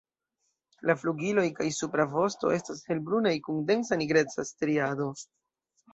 La flugiloj kaj supra vosto estas helbrunaj kun densa nigreca striado.